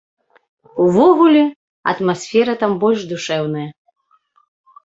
Увогуле, атмасфера там больш душэўная.